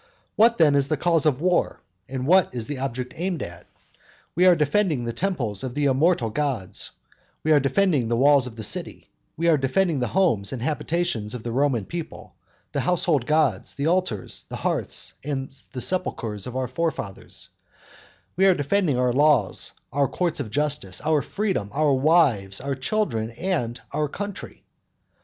What, then, is the cause of war, and what is the object aimed at? We are defending the temples of the immortal gods, we are defending the walls of the city, we are defending the homes and habitations of the Roman people, the household gods, the altars, the hearths and the sepulchres of our forefathers, we are defending our laws, our courts of justice, our freedom, our wives, our children, and our country.